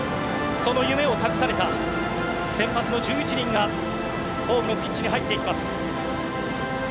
その夢を託された先発の１１人がホームのピッチに入っていきます。